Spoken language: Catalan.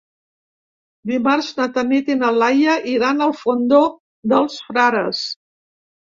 Dimarts na Tanit i na Laia iran al Fondó dels Frares.